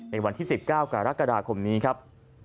ในวันที่๑๙กรกฎาคมนี้ครับ